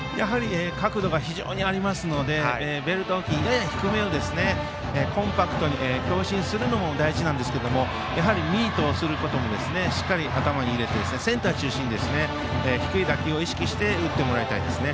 角度が非常にありますのでベルト付近のやや低めをコンパクトに強振するのも大事なんですがミートすることもしっかり頭に入れてセンター中心に低い打球を意識して打ってもらいたいですね。